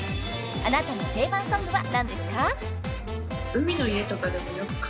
［あなたの定番ソングは何ですか？］